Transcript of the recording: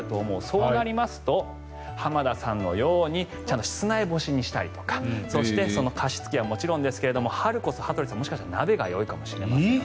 そうなりますと浜田さんのように室内干しにしたりとかそして、加湿器はもちろんですが春こそ鍋がいいかもしれません。